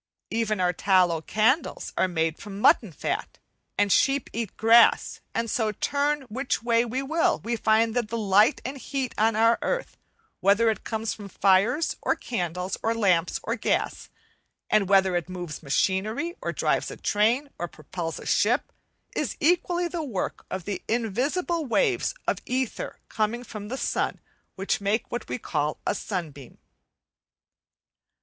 Even our tallow candles are made of mutton fat, and sheep eat grass; as so, turn which way we will, we find that the light and heat on our earth, whether it comes from fires, or candles, or lamps, or gas, and whether it moves machinery, or drives a train, or propels a ship, is equally the work of the invisible waves of ether coming from the sun, which make what we call a sunbeam.